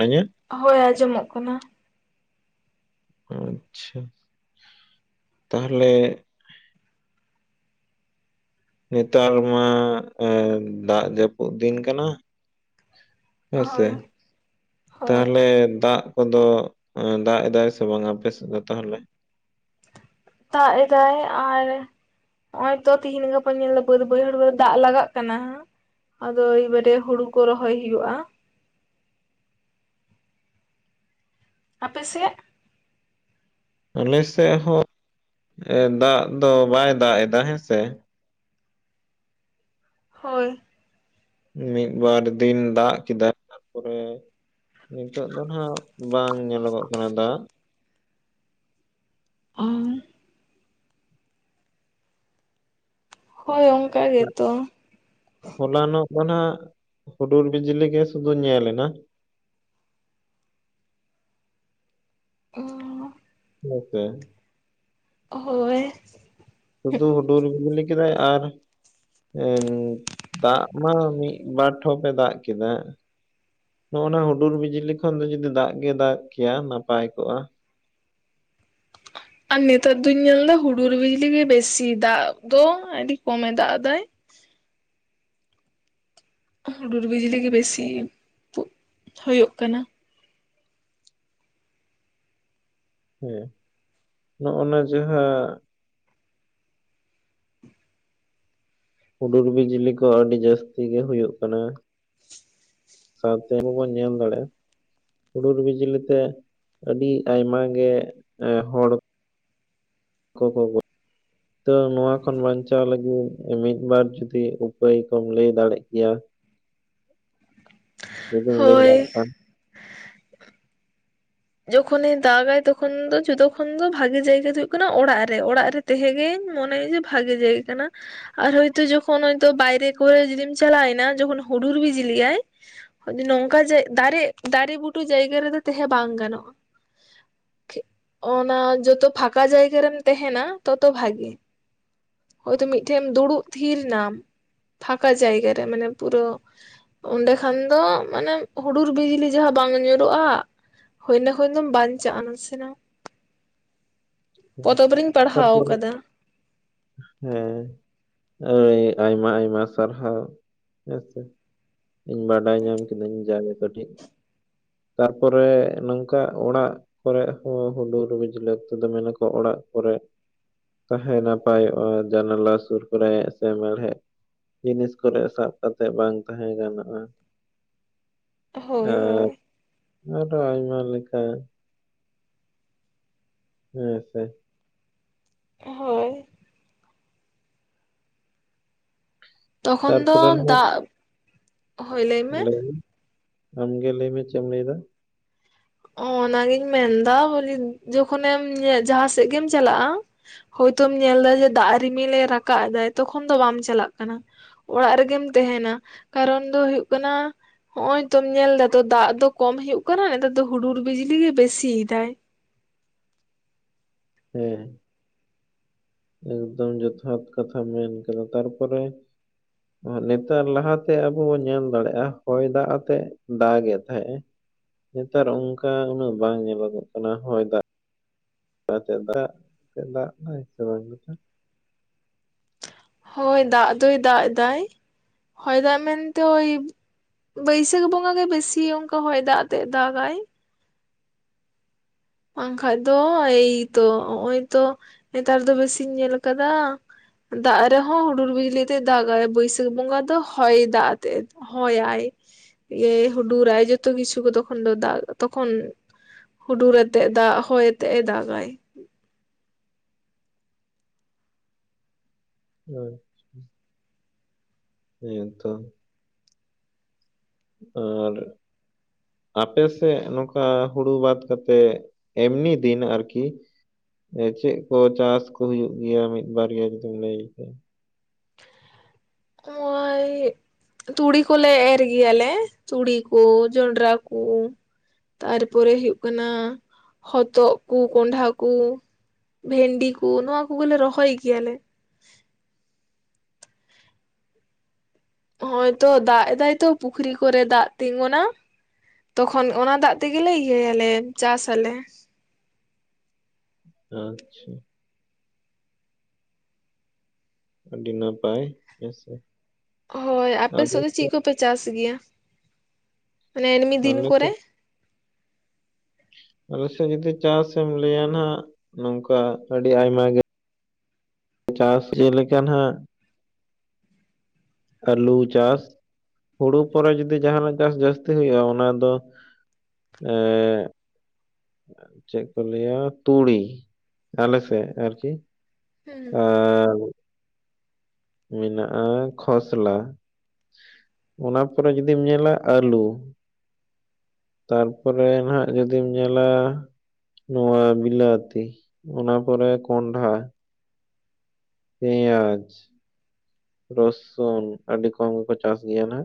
ᱟᱧᱟᱹ ᱦᱳᱭ ᱟᱸᱡᱚᱢᱚᱜ ᱠᱟᱱᱟ᱾ ᱟᱪᱪᱷᱟ, ᱛᱟᱦᱚᱞᱮ ᱱᱮᱛᱟᱨ ᱢᱟ ᱮᱸ ᱫᱟᱜ ᱡᱟᱹᱯᱩᱫ ᱫᱤᱱ ᱠᱟᱱᱟ ᱾ ᱦᱳᱸ ᱥᱮ ᱦᱳᱭ ᱦᱳᱭ ᱛᱟᱦᱚᱞᱮ ᱫᱟᱜ ᱠᱚᱫᱚ ᱮᱸ ᱫᱟᱜ ᱮᱫᱟᱭ ᱥᱮ ᱵᱟᱝ ᱟᱯᱮ ᱥᱮᱫ ᱫᱚ ᱛᱟᱦᱚᱞᱮ? ᱫᱟᱜ ᱮᱫᱟᱭ ᱟᱨ ᱦᱚᱜᱼᱚᱭ ᱛᱚ ᱛᱤᱦᱤᱱ ᱜᱟᱯᱟ ᱧᱮᱞ ᱵᱟᱹᱫᱽ ᱵᱟᱹᱭᱦᱟᱹᱲ ᱠᱚᱨᱮ ᱫᱟᱜ ᱞᱟᱜᱟᱜ ᱠᱟᱱᱟ ᱦᱟᱸᱜ ᱾ ᱟᱫᱚ ᱮᱭᱵᱟᱨᱮ ᱦᱩᱲᱩ ᱠᱚ ᱨᱚᱦᱚᱭ ᱦᱩᱭᱩᱜᱼᱟ ᱾ ᱟᱯᱮ ᱥᱮᱜ? ᱟᱞᱮ ᱥᱮᱜ ᱦᱚᱸ ᱮᱸ ᱫᱟᱜ ᱫᱚ ᱵᱟᱭ ᱫᱟᱜ ᱮᱫᱟ ᱦᱮᱸ ᱥᱮ ᱾ ᱦᱳᱭ ᱾ ᱢᱤᱫ ᱵᱟᱨ ᱫᱤᱱ ᱫᱟᱜ ᱠᱮᱫᱟ ᱾ ᱛᱟᱨᱯᱚᱨᱮ ᱱᱤᱛᱚᱜ ᱫᱚ ᱱᱟᱦᱱᱟᱜ ᱵᱟᱝ ᱧᱮᱞᱚᱜᱚᱜ ᱠᱟᱱᱟ ᱫᱟᱜ ᱾ [unintelligible] ᱦᱳᱭ ᱚᱝᱠᱟ ᱜᱮᱛᱚ ᱾ ᱦᱚᱞᱟᱱᱚᱜ ᱫᱚ ᱱᱟᱦᱱᱟᱜ ᱦᱩᱰᱩᱨ ᱵᱤᱡᱽᱞᱤ ᱜᱮ ᱥᱩᱫᱩ ᱧᱮᱞ ᱮᱱᱟ ᱾ [unintelligible] ᱢᱮ ᱴᱮᱱ ᱦᱳᱭ ᱾ ᱥᱩᱫᱩ ᱦᱩᱰᱩᱨ ᱵᱤᱡᱽᱞᱤ ᱠᱮᱫᱟᱭ ᱟᱨ ᱦᱚᱸᱱ ᱫᱟᱜ ᱢᱟ ᱢᱤᱫ ᱵᱟᱨ ᱴᱷᱚᱯᱮ ᱫᱟᱜ ᱠᱮᱫᱟ ᱾ ᱱᱚᱜᱼᱚᱱᱟ ᱦᱩᱰᱩᱨ ᱵᱤᱡᱽᱞᱤ ᱠᱷᱚᱱ ᱫᱚ ᱡᱩᱫᱤ ᱫᱟᱜ ᱜᱮ ᱫᱟᱜ ᱠᱮᱭᱟ ᱱᱟᱯᱟᱭ ᱠᱚᱜᱼᱟ ᱾ ᱟᱨ ᱱᱮᱛᱟᱨ ᱫᱩᱧ ᱧᱮᱞ ᱮᱫᱟ ᱦᱩᱰᱩᱨ ᱵᱤᱡᱽᱞᱤ ᱜᱮ ᱵᱮᱥᱤ ᱫᱟᱜ ᱫᱚ ᱟᱹᱰᱤ ᱠᱚᱢᱮ ᱫᱟᱜ ᱟᱫᱟᱭ ᱾ ᱦᱩᱰᱩᱨ ᱵᱤᱡᱽᱞᱤ ᱜᱮ ᱵᱮᱥᱤ ᱛᱩᱜ ᱦᱳᱭᱳᱜ ᱠᱟᱱᱟ ᱾ ᱦᱩᱸ ᱱᱚᱜᱼᱚᱱᱟ ᱡᱟᱦᱟᱸ ᱦᱩᱰᱩᱨ ᱵᱤᱡᱽᱞᱤ ᱠᱚ ᱟᱹᱰᱤ ᱡᱟᱹᱥᱛᱤ ᱜᱮ ᱦᱩᱭᱩᱜ ᱠᱟᱱᱟ ᱾ ᱥᱟᱶᱛᱮ ᱟᱵᱟ ᱵᱚᱱ ᱧᱮᱞ ᱫᱟᱲᱮᱜᱼᱟ ᱾ ᱦᱩᱰᱩᱨ ᱵᱤᱡᱽᱞᱤ ᱛᱮ ᱟᱹᱰᱤ ᱟᱭᱢᱟ ᱜᱮ ᱮᱸ ᱦᱚᱲ ᱠᱚ ᱠᱚ ᱜᱚ ᱛᱚ ᱱᱚᱣᱟ ᱠᱷᱚᱱ ᱵᱟᱧᱪᱟᱣ ᱞᱟᱹᱜᱤᱫ ᱢᱤᱫ ᱵᱟᱨ ᱡᱩᱫᱤ ᱩᱯᱟᱹᱭ ᱠᱚᱢ ᱞᱟᱹᱭ ᱫᱟᱲᱮᱜ ᱠᱮᱭᱟ ᱾ ᱡᱩᱫᱤᱢ ᱞᱟᱹᱭ ᱦᱳᱭ ᱫᱟᱲᱮᱜ ᱠᱷᱟᱱ ᱾ ᱡᱚᱠᱷᱚᱱ ᱮ ᱫᱟᱜᱟᱭ ᱛᱚᱠᱷᱚᱱ ᱫᱚ ᱡᱚᱛᱚ ᱠᱷᱚᱱ ᱫᱚ ᱵᱷᱟᱜᱤ ᱡᱟᱭᱜᱟ ᱫᱚ ᱦᱳᱜ ᱠᱟᱱᱟ ᱚᱲᱟᱜ ᱨᱮ, ᱚᱲᱟᱜ ᱨᱮ ᱛᱮᱦᱮ ᱜᱮᱧ ᱢᱚᱱᱮᱭᱟ ᱡᱮ ᱵᱷᱟᱜᱮ ᱡᱟᱭᱜᱟ ᱠᱟᱱᱟ ᱾ ᱟᱨ ᱦᱚᱭ ᱛᱚ ᱡᱠᱷᱚᱱ ᱦᱚᱭ ᱛᱚ ᱵᱟᱭᱨᱮ ᱠᱚᱨᱮ ᱡᱩᱫᱤᱢ ᱪᱟᱞᱟᱭᱱᱟ ᱡᱠᱷᱚᱱ ᱦᱩᱰᱩᱨ ᱵᱤᱡᱽᱞᱤ ᱭᱟᱭ ᱾ ᱱᱚᱝᱠᱟ ᱡᱮ ᱫᱟᱨᱮ ᱫᱟᱨᱮ ᱵᱩᱴᱟᱹ ᱡᱟᱭᱜᱟ ᱨᱮᱫᱚ ᱛᱟᱦᱮᱸ ᱵᱟᱝ ᱜᱟᱱᱚᱜ ᱾ ᱚᱱᱟ ᱡᱚᱛᱚ ᱯᱷᱟᱠᱟ ᱡᱟᱭᱜᱟ ᱨᱮᱢ ᱛᱟᱦᱮᱱᱟ ᱛᱚᱛᱚ ᱵᱷᱟᱜᱮ ᱾ ᱦᱳᱭᱛᱳ ᱢᱤᱫ ᱴᱷᱮᱱ ᱫᱩᱲᱩᱜ ᱛᱷᱤᱨ ᱱᱟᱢ ᱯᱷᱟᱸᱠᱟ ᱡᱟᱭᱜᱟ ᱨᱮ ᱢᱟᱱᱮ ᱯᱩᱨᱟᱹ ᱚᱸᱰᱮ ᱠᱷᱟᱱ ᱫᱚ ᱢᱟᱱᱮ ᱦᱩᱰᱩᱨ ᱵᱤᱡᱽᱞᱤ ᱡᱟᱦᱟᱸ ᱵᱟᱝ ᱧᱩᱨᱚᱜᱼᱟ ᱾ ᱦᱩᱭᱱᱟ ᱠᱷᱚᱱ ᱫᱚᱢ ᱵᱟᱱᱪᱟᱜᱼᱟ ᱱᱟᱥᱮᱱᱟᱜ ᱾ ᱯᱟᱲᱦᱟᱣ ᱛᱟᱨᱯᱚᱨᱮ ᱟᱠᱟᱫᱟ ᱦᱮᱸ ᱾ ᱟᱹᱭ ᱟᱭᱢᱟ ᱟᱭᱢᱟ ᱥᱟᱨᱦᱟᱣ! ᱦᱮᱸᱥᱮ ᱤᱧ ᱵᱟᱰᱟᱭ ᱧᱟᱢ ᱠᱤᱫᱤᱧ ᱡᱟᱜᱮ ᱠᱟᱹᱴᱤᱡ ᱾ ᱛᱟᱯᱚᱨᱮ ᱱᱚᱝᱠᱟ ᱚᱲᱟᱜ ᱠᱚᱨᱮ ᱦᱚᱸ ᱦᱩᱰᱩᱨ ᱵᱤᱡᱽᱞᱟᱹ ᱚᱠᱛᱚ ᱫᱚ ᱢᱟᱱᱟ ᱠᱚ ᱚ-ᱚᱲᱟᱜ ᱠᱚᱨᱮ ᱛᱟᱦᱮᱸ ᱱᱟᱯᱟᱭᱚᱜᱼᱟ, ᱡᱟᱱᱟᱞᱟ ᱥᱩᱨ ᱠᱚᱨᱮ ᱥᱮ ᱢᱮᱲᱦᱮᱫ ᱡᱤᱱᱤᱥ ᱠᱚᱨᱮ ᱥᱟᱵ ᱠᱟᱛᱮᱜ ᱵᱟᱝ ᱛᱟᱦᱮᱸ ᱜᱟᱱᱚᱜᱼᱟ ᱾ ᱦᱳᱭ ᱟᱨ ᱦᱳᱭ ᱟᱨᱚ ᱟᱭᱢᱟ ᱞᱮᱠᱟ ᱾ ᱦᱮᱸ ᱥᱮ ᱾ ᱦᱳᱭ ᱾ ᱛᱚᱠᱷᱚᱱ ᱫᱚ ᱛᱟᱨᱯᱚᱨᱮ ᱱᱟᱜ ᱫᱟᱜ ᱞᱟᱹᱭ ᱢᱮ ᱟᱢᱜᱮ ᱞᱟᱹᱭ ᱢᱮ ᱪᱮᱜ ᱮᱢ ᱞᱟᱹᱭ ᱫᱟ? ᱚ-ᱚᱱᱟᱜᱤᱧ ᱢᱮᱱᱫᱟ ᱵᱚᱞᱮ ᱡᱚᱠᱷᱚᱱ ᱮᱢ ᱡᱟᱦᱟᱸ ᱥᱮᱜ ᱜᱮᱢ ᱪᱟᱞᱟᱜᱼᱟ ᱾ ᱦᱳᱭᱛᱚᱢ ᱧᱮᱞ ᱫᱟ ᱡᱮ ᱫᱟᱜ ᱨᱤᱢᱤᱞ ᱮ ᱨᱟᱠᱟᱵ ᱮᱫᱟᱭ ᱛᱚᱠᱷᱚᱱ ᱫᱚ ᱵᱟᱢ ᱪᱟᱞᱟᱜ ᱠᱟᱱᱟ ᱾ ᱚᱲᱟᱜ ᱨᱮᱜᱮᱢ ᱛᱟᱦᱮᱸᱱᱟ ᱠᱟᱨᱚᱱ ᱫᱚ ᱦᱩᱭᱩᱜ ᱠᱟᱱᱟ ᱦᱚᱜ-ᱚᱭ ᱛᱚᱢ ᱧᱮᱞ ᱫᱟ ᱛᱚ ᱫᱟᱜ ᱫᱚ ᱠᱚᱢ ᱦᱩᱭᱩᱜ ᱠᱟᱱᱟ ᱱᱮᱛᱟᱨ ᱫᱚ ᱦᱩᱲᱩᱨ ᱵᱤᱡᱽᱞᱤ ᱜᱮ ᱵᱮᱥᱤᱭᱮᱫᱟᱭ ᱾ ᱦᱳᱭ ᱾ ᱮᱠᱫᱚᱢ ᱡᱚᱛᱷᱟᱛ ᱠᱟᱛᱷᱟ ᱢᱮᱱ ᱠᱟᱫᱟ ᱾ ᱛᱟᱨᱯᱚᱨᱮ ᱱᱮᱛᱟᱨ ᱞᱟᱦᱟᱛᱮ ᱟᱵᱚ ᱵᱚᱱ ᱧᱮᱞ ᱫᱟᱲᱮᱜᱼᱟ ᱦᱚᱭ ᱫᱟᱜ ᱟᱛᱮᱜ ᱫᱟᱜᱮᱫ ᱛᱟᱦᱮᱸᱜᱼᱮ ᱾ ᱱᱮᱛᱟᱨ ᱚᱱᱠᱟ ᱩᱱᱟᱹᱜ ᱵᱟᱝ ᱧᱮᱞᱚᱜᱚᱜ ᱠᱟᱱᱟ ᱦᱚᱭ ᱫᱟᱜ ᱾ ᱠᱟᱛᱮᱜ ᱫᱟᱜ ᱛᱮ ᱫᱟᱜ ᱦᱳᱭ ᱥᱮ [inaudible] ᱦᱳᱭ ᱫᱟᱜ ᱫᱚᱭ ᱫᱟᱜ ᱮᱫᱟᱭ ᱾ ᱦᱚᱭ ᱫᱟᱜ ᱢᱮᱱᱛᱮ ᱳᱭ ᱵᱟᱹᱭᱥᱟᱹᱠ ᱵᱚᱸᱜᱟ ᱜᱮ ᱵᱮᱥᱤ ᱚᱱᱠᱟ ᱦᱚᱭ ᱫᱟᱜ ᱟᱛᱮᱜ ᱫᱟᱜᱟᱭ ᱾ ᱵᱟᱝ ᱠᱷᱟᱡ ᱫᱚ ᱮᱭᱛᱚ ᱦᱚᱜᱼᱚᱭ ᱛᱚ ᱱᱮᱛᱟᱨ ᱫᱚ ᱵᱮᱥᱤᱧ ᱧᱮᱞ ᱠᱟᱫᱟ ᱫᱟᱜ ᱨᱮᱦᱚᱸ ᱦᱩᱰᱩᱨ ᱵᱤᱡᱽᱞᱤ ᱟᱛᱮᱭ ᱫᱟᱜᱼᱟᱭ ᱵᱟᱹᱭᱥᱟᱹᱠᱷ ᱵᱚᱸᱜᱟ ᱫᱚ ᱦᱚᱭ ᱫᱟᱜ ᱟᱛᱮ ᱦᱚᱭᱟᱭ ᱤᱭᱟᱹ ᱦᱩᱰᱩᱨ ᱟᱭ ᱡᱚᱛᱚ ᱠᱤᱪᱷᱩ ᱠᱚ ᱛᱚᱠᱷᱚᱱ ᱫᱚ ᱫᱟᱜ ᱛᱚ ᱠᱷᱚᱱ ᱾ ᱦᱩᱰᱩᱨ ᱟᱛᱮᱜ ᱫᱟᱜ ᱦᱚᱭ ᱟᱛᱮᱜ ᱮ ᱫᱟᱜᱟᱭ ᱾ [unintelligible] [inaudible] ᱟᱯᱮ ᱥᱮᱜ ᱱᱚᱝᱠᱟ ᱦᱩᱲᱩ ᱵᱟᱫᱽ ᱠᱟᱛᱮᱜ ᱮᱢᱱᱤ ᱫᱤᱱ ᱟᱨᱠᱤ ᱫᱚ ᱪᱮᱜ ᱠᱚ ᱪᱟᱥ ᱠᱚ ᱦᱩᱭᱩᱜ ᱜᱮᱭᱟ ᱢᱤᱫ ᱵᱟᱨᱭᱟ ᱡᱩᱫᱤᱢ ᱞᱟᱹᱭ ᱠᱷᱟᱱ? [unintelligible] ᱛᱩᱲᱤ ᱠᱚᱞᱮ ᱮᱨ ᱜᱮᱭᱟ ᱞᱮ ᱛᱩᱲᱤ ᱠᱩ, ᱡᱚᱱᱰᱨᱟ ᱠᱩ ᱛᱟᱨᱯᱚᱨᱮ ᱦᱩᱭᱩᱜ ᱠᱟᱱᱟ, ᱦᱚᱛᱚᱜ ᱠᱩ, ᱠᱳᱱᱰᱷᱟ ᱠᱩ ᱾ ᱵᱷᱮᱱᱰᱤ ᱠᱩ ᱱᱚᱣᱟ ᱠᱩᱜᱮ ᱞᱮ ᱨᱚᱦᱚᱭ ᱜᱮᱭᱟ ᱞᱮ ᱾ ᱦᱚᱭ ᱛᱚ ᱫᱟᱜ ᱮᱫᱟᱭ ᱛᱚ ᱯᱩᱠᱷᱨᱤ ᱠᱚᱨᱮ ᱫᱟᱜ ᱛᱤᱸᱜᱩᱱᱟ ᱾ ᱛᱚᱠᱷᱚᱱ ᱚᱱᱟ ᱫᱟᱜ ᱛᱮᱜᱮᱞᱮ ᱤᱭᱟᱹᱭᱟᱞᱮ ᱪᱟᱥ ᱟᱞᱮ ᱾ ᱟᱪᱪᱷᱟ ᱾ ᱟᱹᱰᱤ ᱱᱟᱯᱟᱭ ᱦᱮᱸᱥᱮ ᱾ ᱦᱳᱭ, ᱟᱯᱮ ᱥᱮᱜ ᱫᱚ ᱪᱤᱜ ᱠᱚᱯᱮ ᱪᱟᱥ ᱜᱮᱭᱟ? ᱢᱟᱱᱮ ᱮᱢᱱᱤ ᱫᱤᱱ ᱠᱚᱨᱮ [unintelligible] ᱟᱞᱮ ᱥᱮᱜ ᱱᱤᱛᱚ ᱪᱟᱥᱮᱢ ᱞᱟᱹᱭᱟ ᱱᱟᱱᱟᱜ ᱱᱚᱝᱠᱟ ᱟᱹᱰᱤ ᱟᱭᱢᱟ ᱜᱮ ᱾ ᱪᱟᱥ ᱡᱮᱞᱮᱠᱟ ᱱᱟᱦᱟᱜ ᱟᱹᱞᱩ ᱪᱟᱥ, ᱦᱩᱲᱩ ᱯᱚᱨᱮ ᱡᱩᱫᱤ ᱡᱟᱦᱟᱱᱟᱜ ᱪᱟᱥ ᱡᱟᱹᱥᱛᱤ ᱦᱩᱭᱩᱜᱼᱟ ᱚᱱᱟ ᱫᱚ ᱮᱸᱻᱜ ᱪᱮᱜ ᱠᱚ ᱞᱟᱹᱭᱟ ᱛᱩᱲᱤ ᱟᱞᱮ ᱥᱮᱜ ᱟᱨᱠᱤ ᱦᱩᱸ ᱟᱻᱞ [unintelligible] ᱢᱮᱱᱟᱜᱼᱟ ᱠᱷᱚᱥᱞᱟ ᱚᱱᱟ ᱯᱚᱨᱮ ᱡᱩᱫᱤᱢ ᱧᱮᱞᱟ ᱟᱹᱞᱩ ᱾ ᱛᱟᱨᱯᱚᱨᱮ ᱱᱟᱦᱟᱜ ᱡᱩᱫᱤᱢ ᱧᱮᱞᱟ ᱾ ᱱᱚᱣᱟ ᱵᱤᱞᱟᱹᱛᱤ ᱚᱱᱟ ᱯᱚᱨᱮ ᱠᱚᱱᱰᱦᱟ ᱾ ᱯᱮᱸᱭᱟᱡᱽ ᱾ ᱨᱚᱥᱩᱱ ᱟᱹᱰᱤ ᱠᱚᱢ ᱜᱮᱠᱚ ᱪᱟᱥ ᱜᱮᱭᱟ ᱱᱟ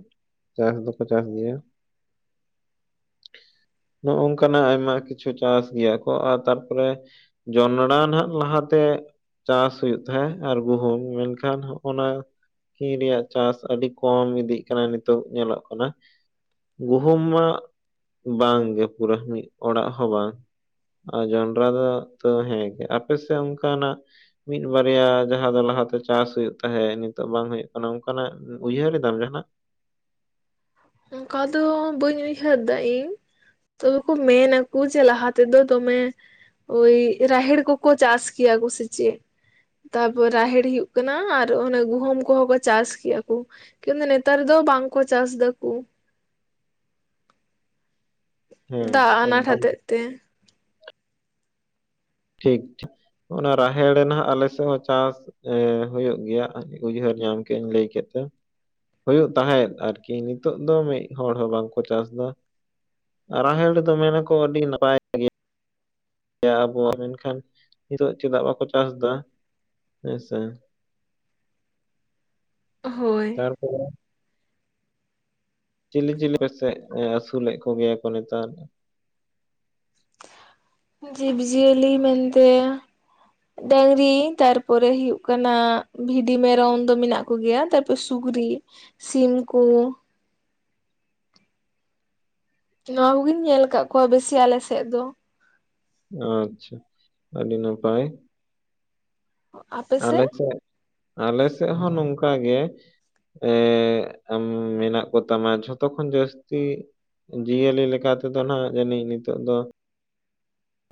ᱪᱟᱥ ᱫᱚᱠᱚ ᱪᱟᱥ ᱜᱮᱭᱟ ᱾ [unintelligible] ᱱᱚᱼᱚᱝ ᱠᱟᱱᱟᱜ ᱟᱭᱢᱟ ᱠᱤᱪᱷᱩ ᱪᱟᱥ ᱜᱮᱭᱟ ᱠᱚ ᱟᱨ ᱛᱟᱨᱯᱚᱨᱮ ᱡᱚᱱᱬᱟ ᱱᱟᱦᱟᱜ ᱞᱟᱦᱟ ᱛᱮ ᱪᱟᱥ ᱦᱩᱭᱩᱜ ᱛᱟᱦᱮᱸ ᱟᱨ ᱜᱩᱦᱩᱢ ᱢᱮᱱᱠᱷᱟᱱ ᱦᱚᱜ ᱚᱱᱟ ᱠᱤᱱ ᱨᱮᱭᱟᱜ ᱪᱟᱥ ᱟᱹᱰᱤ ᱠᱚᱢ ᱤᱫᱤᱜ ᱠᱟᱱᱟ, ᱱᱤᱛᱚᱜ ᱧᱮᱞᱚᱜ ᱠᱟᱱᱟ ᱾ ᱜᱩᱦᱩᱢ ᱢᱟ ᱵᱟᱝ ᱜᱮ ᱯᱩᱨᱟᱹ ᱢᱤᱜ ᱚᱲᱟᱜ ᱦᱚᱸ ᱵᱟᱝ ᱾ ᱟᱨ ᱡᱚᱱᱰᱨᱟ [inaudible] ᱛᱚ ᱦᱮᱸᱜᱮ ᱟᱯᱮ ᱥᱮ ᱚᱱᱠᱟᱱᱟᱜ ᱢᱤᱫ ᱵᱟᱨᱭᱟ ᱡᱟᱦᱟᱸ ᱫᱚ ᱞᱟᱦᱟ ᱛᱮ ᱪᱟᱥ ᱦᱩᱭᱩᱜ ᱛᱟᱦᱮᱸ ᱱᱤ ᱛᱚᱜ ᱵᱟᱝ ᱦᱩᱭᱩᱜ ᱠᱟᱱᱟ ᱚᱱᱠᱟᱱᱟᱜ ᱩᱭᱦᱟᱹᱨ ᱫᱟᱢ ᱡᱟᱦᱟᱱᱟᱜ? ᱚᱱᱠᱟ ᱫᱚ ᱵᱟᱹᱧ ᱩᱭᱦᱟᱹᱨ ᱫᱟ ᱤᱧ ᱾ ᱛᱚ ᱠᱩ ᱢᱮᱱᱟ ᱠᱩ ᱡᱮ ᱞᱟᱦᱟ ᱛᱮᱫᱚ ᱫᱚᱢᱮ ᱮᱭ ᱨᱟᱦᱤᱲ ᱠᱚᱠᱚ ᱪᱟᱥ ᱜᱮᱭᱟ ᱠᱩ ᱥᱤᱪᱤᱜ? ᱛᱟᱯᱚᱨ ᱨᱟᱦᱮᱲ ᱦᱩᱭᱩᱜ ᱠᱟᱱᱟ ᱟᱨ ᱚᱱᱮ ᱜᱩᱦᱩᱢ ᱠᱚᱦᱚᱸ ᱠᱚ ᱪᱟᱥ ᱠᱮᱭᱟ ᱠᱚ ᱾ [inaudible] ᱱᱮᱛᱟᱨ ᱫᱚ ᱵᱟᱝ ᱠᱚ ᱪᱟᱥ ᱫᱟ ᱾ ᱦᱮᱸ ᱫᱟᱜ ᱟᱱᱟᱴ ᱮᱠᱫᱚᱢ ᱦᱚᱛᱮᱡ ᱛᱮ ᱴᱷᱤᱠ-ᱴᱷᱤᱠ ᱚᱱᱟ ᱨᱟᱦᱮᱲ ᱱᱟᱦᱟᱸᱜ ᱟᱞᱮ ᱥᱮ ᱦᱚᱸ ᱪᱟᱥ ᱮ ᱦᱩᱭᱩᱜ ᱜᱮᱭᱟ ᱩᱭᱦᱟᱹᱨ ᱧᱟᱢ ᱠᱮᱜ ᱞᱟᱹᱭ ᱠᱮᱜ ᱛᱮ ᱾ ᱦᱩᱭᱩᱜ ᱛᱟᱦᱮᱸᱫ ᱟᱨᱠᱤ ᱱᱤᱛᱚᱜ ᱫᱚ ᱢᱤᱫ ᱦᱚᱲ ᱦᱚᱸ ᱵᱟᱝᱠᱚ ᱪᱟᱥ ᱫᱟ ᱾ ᱨᱟᱦᱮᱲ ᱫᱚ ᱢᱮᱱᱟᱠᱚ ᱟᱹᱰᱤ ᱱᱟᱯᱟᱭ ᱾ ᱮ ᱟᱵᱚᱣᱟᱜ ᱢᱮᱱᱠᱷᱟᱱ ᱱᱤᱛᱚᱜ ᱪᱮᱫᱟᱜ ᱵᱟᱠᱚ ᱪᱟᱥ ᱫᱟ ᱦᱮᱸᱥᱮ? [unintelligible] ᱦᱳᱭ ᱾ [unintelligible] ᱪᱤᱞᱤ-ᱪᱤᱞᱤ ᱟᱯᱮᱥᱮᱡ ᱟᱹᱥᱩᱞᱮᱜ ᱠᱚᱜᱮᱭᱟ ᱠᱚ ᱱᱮᱛᱟᱨ ᱫᱚ? ᱡᱤᱵᱽ ᱡᱤᱭᱟᱹᱞᱤ ᱢᱮᱱᱛᱮ ᱰᱟᱝᱨᱤ ᱛᱟᱨᱯᱚᱨᱮ ᱦᱩᱭᱩᱜ ᱠᱟᱱᱟ ᱵᱷᱤᱰᱤ ᱢᱮᱨᱚᱢ ᱫᱚ ᱢᱮᱱᱟᱜ ᱠᱩ ᱜᱮᱭᱟ ᱛᱟᱯᱚ ᱥᱩᱠᱨᱤ ᱥᱤᱢ ᱠᱳ ᱾ ᱱᱚᱣᱟ ᱠᱩᱜᱤᱧ ᱧᱮᱞ ᱠᱟᱜ ᱠᱚᱣᱟ ᱵᱮᱥᱤ ᱟᱞᱮ ᱥᱮᱜ ᱫᱚ ᱾ ᱟᱪᱪᱷᱟ, ᱟᱹᱰᱤ ᱱᱟᱯᱟᱭ ᱾ ᱟᱯᱮ ᱥᱮᱫ ᱟᱞᱮ ᱥᱮᱜ ᱟᱞᱮ ᱥᱮᱜ ᱦᱚᱸ ᱱᱚᱝᱠᱟ ᱜᱮ ᱾ ᱮᱻ ᱮᱢ-ᱢᱮᱱᱟᱜ ᱠᱚ ᱛᱟᱢᱟ ᱡᱷᱚᱛᱚ ᱠᱷᱚᱱ ᱡᱟᱹᱥᱛᱤ ᱡᱤᱭᱟᱹᱞᱤ ᱞᱮᱠᱟ ᱛᱮᱫᱚ ᱱᱟᱦᱟᱜ ᱡᱟᱹᱱᱤᱡ ᱱᱤᱛᱚᱜ ᱫᱚ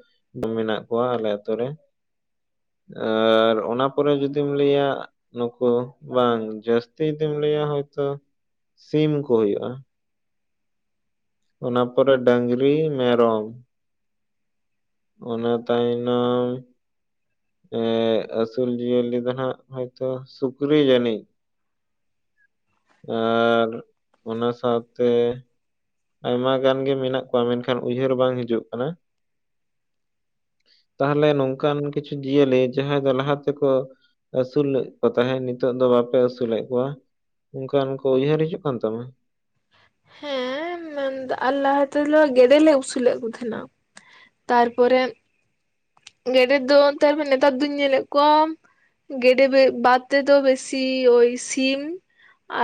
[inaudible] ᱢᱮᱱᱟᱜ ᱠᱚᱣᱟ ᱟᱞᱮ ᱟᱛᱳ ᱨᱮ ᱾ ᱟᱨ ᱚᱱᱟ ᱯᱚᱨᱮ ᱡᱩᱫᱤᱢ ᱞᱟᱹᱭᱟ ᱱᱩᱠᱩ ᱵᱟᱝ ᱡᱟᱹᱥᱛᱤ ᱡᱩᱫᱤᱢ ᱞᱟᱹᱭᱟ ᱦᱚᱭᱛᱚ ᱥᱤᱢ ᱠᱚ ᱦᱩᱭᱩᱜᱼᱟ ᱾ ᱚᱱᱟ ᱯᱚᱨᱮ ᱰᱟᱝᱨᱤ, ᱢᱮᱨᱚᱢ ᱾ ᱚᱱᱟ ᱛᱟᱭᱚᱢ ᱱᱟᱝ ᱮᱸ ᱟᱹᱥᱩᱞ ᱡᱤᱭᱟᱹᱞᱤ ᱫᱚ ᱦᱟᱸᱜ ᱦᱚᱭᱛᱚ ᱥᱩᱠᱨᱤ ᱡᱟᱹᱱᱤᱡ ᱾ ᱟᱨ ᱚᱱᱟ ᱥᱟᱶᱛᱮ ᱟᱭᱢᱟ ᱜᱟᱱ ᱜᱮ ᱢᱮᱱᱟᱜ ᱠᱚᱣᱟ ᱢᱮᱱᱠᱷᱟᱱ ᱩᱭᱦᱟᱹᱨ ᱵᱟᱝ ᱦᱤᱡᱩᱜ ᱠᱟᱱᱟ ᱾ ᱛᱟᱦᱟᱞᱮ ᱱᱚᱝᱠᱟᱱ ᱠᱤᱪᱷᱩ ᱡᱤᱭᱟᱹᱞᱤ ᱡᱟᱦᱟᱸᱭ ᱫᱚ ᱞᱟᱦᱟ ᱛᱮᱠᱚ ᱟᱹᱥᱩᱞᱮᱫ ᱠᱚ ᱛᱟᱦᱮᱸᱫ ᱱᱤᱛᱚᱜ ᱫᱚ ᱵᱟᱯᱮ ᱟᱹᱥᱩᱞᱮᱫ ᱠᱚᱣᱟ? ᱚᱱᱠᱟᱱ ᱠᱚ ᱩᱭᱦᱟᱹᱨ ᱦᱤᱡᱩᱜ ᱠᱟᱱ ᱛᱟᱢᱟ? ᱦᱮᱸ, ᱢᱮᱱᱫᱟ ᱟ-ᱞᱟᱦᱟ ᱛᱮᱞᱚ ᱜᱮᱰᱮ ᱞᱮ ᱩᱥᱩᱞᱮᱫ ᱠᱚ ᱛᱮᱦᱮᱱᱟ ᱾ ᱛᱟᱨᱯᱚᱨᱮ ᱜᱮᱰᱮ ᱫᱚ ᱛᱟᱨᱯᱚᱨ ᱱᱮᱛᱟᱨ ᱫᱩᱧ ᱧᱮᱞᱮᱫ ᱠᱚᱣᱟ ᱜᱮᱸᱰᱮ ᱵᱮ-ᱵᱟᱫ ᱛᱮ ᱫᱚ ᱵᱮᱥᱤ ᱳᱭ ᱥᱤᱢ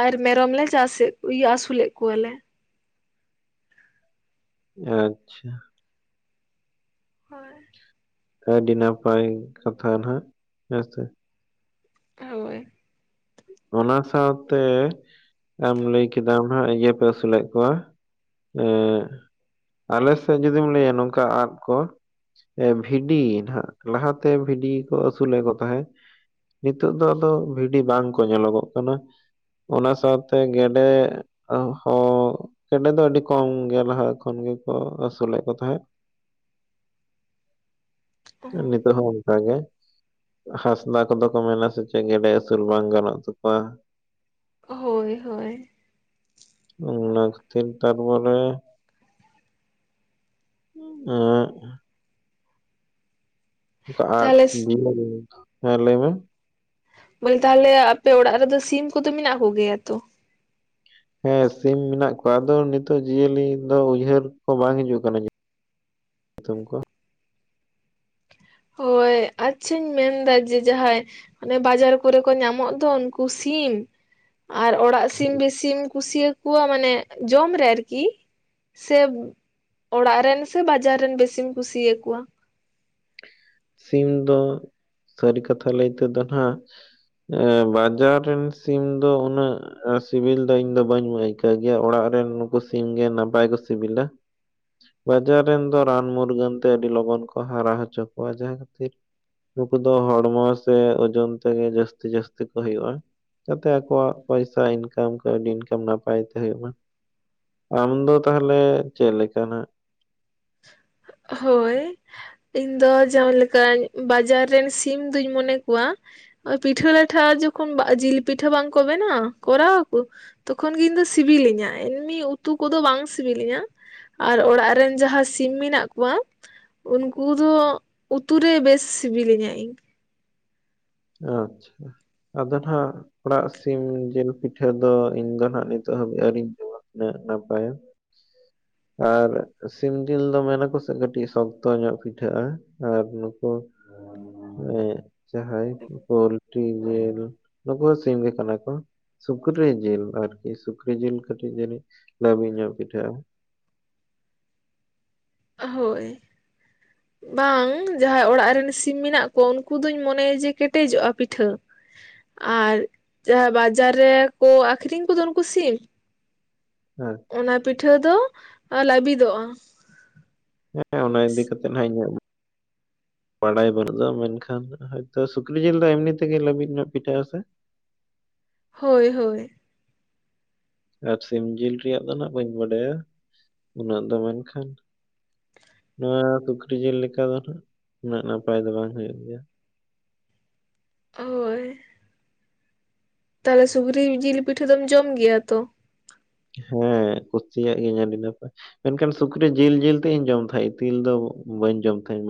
ᱟᱨ ᱢᱮᱨᱚᱢ ᱞᱮ ᱪᱟᱥᱮᱫ ᱤᱭᱟᱹ ᱟᱹᱥᱩᱞᱮᱫ ᱠᱚᱣᱟᱞᱮ᱾ ᱟᱪᱪᱷᱟ ᱦᱳᱭ ᱟᱹᱰᱤ ᱱᱟᱯᱟᱭ ᱠᱟᱛᱷᱟ ᱱᱟᱦᱟᱜ ᱦᱮᱸᱥᱮ᱾ ᱦᱚᱭ ᱚᱱᱟ ᱥᱟᱶᱛᱮ ᱟᱢ ᱞᱟᱹᱭ ᱠᱮᱫᱟᱢ ᱱᱟᱦᱟᱜ ᱤᱭᱟᱹᱯᱮ ᱟᱹᱥᱩᱞᱮᱫ ᱠᱚᱣᱟ᱾ ᱮ ᱟᱞᱮ ᱥᱮᱫ ᱡᱩᱫᱤᱢ ᱞᱟᱹᱭᱟ ᱱᱚᱝᱠᱟ ᱟᱫᱽ ᱠᱚ ᱮ ᱵᱷᱤᱰᱤ ᱱᱟᱦᱟᱜ ᱞᱟᱦᱟ ᱛᱮ ᱵᱷᱤᱰᱤ ᱠᱚ ᱟᱹᱥᱩᱞᱮᱫ ᱠᱚ ᱛᱟᱦᱮᱸ ᱾ ᱱᱤᱛᱚᱜ ᱫᱚ ᱟᱫᱚ ᱵᱷᱤᱰᱤ ᱵᱟᱝᱠᱚ ᱧᱮᱞᱚᱜᱚᱜ ᱠᱟᱱᱟ ᱾ ᱚᱱᱟ ᱥᱟᱶᱛᱮ ᱜᱮᱰᱮ ᱟ ᱦᱚᱸ ᱜᱮᱰᱮ ᱫᱚ ᱟᱹᱰᱤ ᱠᱚᱢ ᱜᱮ ᱱᱟᱦᱟᱜ ᱮᱠᱷᱚᱱ ᱜᱮᱠᱚ ᱟᱹᱥᱩᱞᱮᱫ ᱠᱚ ᱛᱟᱦᱮᱸ ᱾ ᱱᱤᱛᱚᱜ ᱦᱚᱸ ᱚᱱᱠᱟ ᱜᱮ ᱾ ᱦᱟᱸᱥᱫᱟ ᱠᱚᱫᱚ ᱠᱚ ᱢᱮᱱᱟ ᱥᱮ ᱪᱮᱫ ᱜᱮᱰᱮ ᱟᱹᱥᱩᱞ ᱵᱟᱝ ᱜᱟᱱᱚᱜ ᱛᱟᱠᱚᱣᱟ? ᱦᱳᱭ ᱦᱳᱭ ᱚᱱᱟ ᱠᱷᱟᱛᱤᱨ ᱛᱟᱨᱯᱚᱨᱮ [inaudible] ᱚᱱᱠᱟ ᱟᱨ ᱛᱟᱦᱚᱞᱮ [inaudible] ᱦᱮᱸ ᱞᱟᱹᱭ ᱢᱮ᱾ ᱞᱟᱹᱭ ᱛᱟᱦᱞᱮ ᱟᱯᱮ ᱚᱲᱟᱜ ᱨᱮᱫᱚ ᱥᱤᱢ ᱠᱚᱫᱚ ᱢᱮᱱᱟᱜ ᱠᱚᱜᱮᱭᱟ ᱛᱚ? ᱦᱮᱸ ᱥᱤᱢ ᱢᱮᱱᱟᱜ ᱠᱚᱣᱟ ᱟᱫᱚ ᱱᱤᱛᱚᱜ ᱡᱤᱭᱟᱹᱞᱤ ᱫᱚ ᱩᱭᱦᱟᱹᱨ ᱠᱚ ᱵᱟᱝ ᱦᱤᱡᱩᱜ ᱠᱟᱱᱟ᱾ ᱧᱛᱩᱢ ᱠᱚ᱾ ᱦᱳᱭ ᱟᱪᱪᱷᱟᱧ ᱢᱮᱱᱫᱟ ᱡᱮ ᱡᱟᱦᱟᱸᱭ ᱚᱱᱮ ᱵᱟᱡᱟᱨ ᱠᱚᱨᱮ ᱠᱚ ᱧᱟᱢᱚᱜ ᱫᱚ ᱩᱱᱠᱩ ᱥᱤᱢ, ᱟᱨ ᱚᱲᱟᱜ ᱥᱤᱢ ᱵᱮᱥᱤᱢ ᱠᱩᱥᱤᱭᱟᱠᱚᱣᱟ ᱢᱟᱱᱮ ᱡᱚᱢ ᱨᱮ ᱟᱨᱠᱤ ᱥᱮ ᱚᱲᱟᱜ ᱨᱮᱱ ᱥᱮ ᱵᱟᱡᱟᱨ ᱨᱮᱱ ᱵᱮᱥᱤᱢ ᱠᱩᱥᱤᱭᱟᱠᱚᱣᱟ? ᱥᱤᱢ ᱫᱚ ᱥᱟᱹᱨᱤ ᱠᱟᱛᱷᱟ ᱞᱟᱹᱭ ᱛᱮᱫᱚ ᱱᱟᱜ, ᱮᱸ ᱵᱟᱡᱟᱨ ᱨᱮᱱ ᱥᱤᱢ ᱫᱚ ᱩᱱᱟᱹᱜ ᱟᱹ ᱥᱤᱵᱤᱞ ᱫᱚ ᱤᱧ ᱫᱚ ᱵᱟᱹᱧ ᱟᱹᱭᱠᱟᱹᱣ ᱜᱮᱭᱟ ᱚᱲᱟᱜ ᱨᱮᱱ ᱱᱩᱠᱩ ᱥᱤᱢ ᱜᱮ ᱱᱟᱯᱟᱭ ᱠᱚ ᱥᱤᱵᱤᱞᱟ᱾ ᱵᱟᱡᱟᱨ ᱨᱮᱱ ᱫᱚ ᱨᱟᱱ ᱢᱩᱨᱜᱟᱹᱱ ᱛᱮ ᱟᱹᱰᱤ ᱞᱚᱜᱚᱱ ᱠᱚ ᱦᱟᱨᱟ ᱦᱚᱪᱚ ᱠᱚᱣᱟ, ᱡᱟᱦᱟᱸ ᱠᱷᱟᱹᱛᱤᱨ ᱱᱩᱠᱩ ᱫᱚ ᱦᱚᱲᱢᱚ ᱥᱮ ᱳᱡᱚᱱ ᱛᱮᱜᱮ ᱡᱟᱹᱥᱛᱤ ᱡᱟᱹᱥᱛᱤ ᱠᱚ ᱦᱩᱭᱩᱜᱼᱟ᱾ ᱡᱟᱛᱮ ᱟᱠᱚᱣᱟᱜ ᱯᱚᱭᱥᱟ ᱤᱱᱠᱟᱢ ᱠᱟᱹᱣᱰᱤ ᱤᱱᱠᱟᱢ ᱱᱟᱯᱟᱭ ᱛᱮ ᱦᱩᱭᱩᱜ ᱢᱟ᱾ ᱟᱢ ᱫᱚ ᱛᱟᱦᱚᱞᱮ ᱪᱮᱫ ᱞᱮᱠᱟᱱᱟᱜ? ᱦᱳᱭ ᱤᱧ ᱫᱚ ᱡᱟᱦᱟᱸ ᱞᱮᱠᱟ ᱵᱟᱡᱟᱨ ᱨᱮᱱ ᱥᱤᱢ ᱫᱩᱧ ᱢᱚᱱᱮ ᱠᱚᱣᱟ, ᱯᱤᱴᱷᱟᱹ ᱞᱟᱴᱷᱟ ᱡᱚᱠᱷᱚᱱ ᱡᱤᱞ ᱯᱤᱴᱟᱹ ᱵᱟᱝ ᱠᱚ ᱵᱮᱱᱟᱣ ᱠᱚᱨᱟᱣᱟ ᱠᱚ ᱛᱚᱠᱷᱚᱱ ᱜᱮ ᱤᱧ ᱫᱚ ᱥᱤᱵᱤᱞᱤᱧᱟ, ᱮᱢᱱᱤ ᱩᱛᱩ ᱠᱚᱫᱚ ᱵᱟᱝ ᱥᱤᱵᱤᱞᱤᱧᱟ᱾ ᱟᱨ ᱚᱲᱟᱜ ᱨᱮᱱ ᱡᱟᱦᱟᱸ ᱥᱤᱢ ᱢᱮᱱᱟᱜ ᱠᱚ ᱠᱚᱣᱟ ᱩᱱᱠᱩ ᱫᱚ ᱩᱛᱩ ᱨᱮ ᱵᱮᱥ ᱥᱤᱵᱤᱞᱤᱧᱟ ᱤᱧ᱾ ᱟᱪᱪᱷᱟ ᱟᱫᱚ ᱱᱷᱟᱜ ᱚᱲᱟᱜ ᱥᱤᱢ ᱡᱤᱞ ᱯᱤᱴᱷᱟᱹ ᱫᱚ ᱤᱧ ᱫᱚ ᱱᱷᱟᱜ ᱱᱤᱛᱚᱜ ᱦᱟᱹᱵᱤᱡ ᱟᱨᱤᱧ ᱡᱚᱢᱟ᱾ ᱩᱱᱟ. ᱜ ᱱᱟᱯᱟᱭᱟ ᱟᱨ ᱥᱤᱢ ᱡᱤᱞ ᱫᱚ ᱢᱮᱱᱟ ᱠᱚ ᱥᱮ ᱠᱟᱹᱴᱤᱡ ᱥᱚᱠᱛᱚ ᱧᱚᱜ ᱯᱤᱴᱷᱟᱹᱜᱼᱟ ᱟᱨ ᱱᱩᱠᱩ ᱦᱮᱸ ᱡᱟᱦᱟᱸᱭ ᱯᱳᱞᱴᱨᱤ ᱡᱤᱞ ᱱᱩᱠᱩ ᱥᱤᱢ ᱜᱮ ᱠᱟᱱᱟ ᱠᱚ᱾ ᱥᱩᱠᱨᱤ ᱡᱤᱞ ᱟᱨᱠᱤ ᱥᱩᱠᱨᱤ ᱡᱤᱞ ᱠᱟᱹᱴᱤᱡ, ᱡᱟᱹᱱᱤᱡ ᱞᱟᱹᱵᱤᱫ ᱧᱚᱜ ᱯᱤᱴᱷᱟ. ᱜᱼᱟ᱾ ᱦᱳᱭ [unintelligible] ᱵᱟᱝ ᱡᱟᱦᱟᱸᱭ ᱚᱲᱟᱜ ᱨᱮᱱ ᱥᱤᱢ ᱢᱮᱱᱟᱜ ᱠᱚᱣᱟ ᱩᱱᱠᱩ ᱫᱚᱧ ᱢᱚᱱᱮᱭᱟ ᱡᱮ ᱠᱮᱴᱮᱡᱚᱜᱼᱟ ᱯᱤᱴᱷᱟᱹ᱾ ᱟᱨ ᱡᱟᱦᱟᱸ ᱵᱟᱡᱟᱨ ᱨᱮᱠᱚ ᱟᱠᱷᱨᱤᱧ ᱠᱚᱫᱚ ᱩᱱᱠᱩ ᱥᱤᱢ᱾ ᱦᱮᱸ ᱚᱱᱟ ᱯᱤᱴᱷᱟᱹ ᱫᱚ ᱞᱟᱹᱵᱤᱫᱚᱜᱼᱟ᱾ ᱦᱮᱸ ᱚᱱᱟ ᱤᱫᱤ ᱠᱟᱛᱮᱫ ᱦᱟᱸᱜ ᱤᱧᱟᱜ ᱵᱟᱲᱟᱭ ᱵᱟᱹᱱᱩᱜ ᱫᱚ ᱢᱮᱱᱠᱷᱟᱱ ᱦᱚᱭᱛᱚ ᱥᱩᱠᱨᱤ ᱡᱤᱞ ᱫᱚ ᱮᱢᱱᱤ ᱛᱮᱜᱮ ᱞᱟᱹᱵᱤᱫ ᱧᱚᱜ ᱯᱤᱴᱷᱟᱹᱜᱼᱟ ᱥᱮ? ᱦᱳᱭ ᱦᱳᱭ ᱟᱨ ᱥᱤᱢ ᱡᱤᱞ ᱨᱮᱭᱟᱜ ᱫᱚ ᱱᱟᱜ ᱵᱟᱹᱧ ᱵᱟᱰᱟᱭᱟ, ᱩᱱᱟᱹᱜ ᱫᱚ ᱢᱮᱱᱠᱷᱟᱱ ᱱᱚᱣᱟ ᱥᱩᱠᱨᱤ ᱡᱮᱞ ᱞᱮᱠᱟ ᱫᱚ ᱦᱟᱸᱜ ᱩᱱᱟᱹᱜ ᱱᱟᱯᱟᱭ ᱫᱚ ᱵᱟᱝ ᱦᱩᱭᱩᱜ ᱜᱮᱭᱟ᱾ ᱚᱳᱭ ᱛᱟᱦᱚᱞᱮ ᱥᱩᱠᱨᱤ ᱡᱤᱞ ᱯᱤᱴᱷᱟᱹ ᱫᱚᱢ ᱡᱚᱢ ᱜᱮᱭᱟ ᱛᱚ? ᱦᱮᱸ ᱠᱩᱥᱤᱭᱟᱜ ᱜᱤᱭᱟᱹᱧ ᱟᱹᱰᱤ ᱱᱟᱯᱟᱭ ᱢᱮᱱᱠᱷᱟᱱ ᱥᱩᱠᱨᱤ ᱡᱤᱞ ᱡᱤᱞ ᱛᱮᱜ ᱤᱧ ᱡᱚᱢ ᱛᱟᱦᱮᱸᱜ, ᱤᱛᱤᱞ ᱫᱚ ᱵᱟᱹᱧ ᱡᱚᱢ ᱛᱟᱦᱮᱸᱜ᱾